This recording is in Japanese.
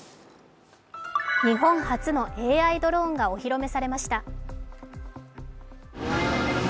日本発のＡＩドローンがお披露目されました。